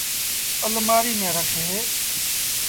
اَلمآريٚ ميݩ رکي۔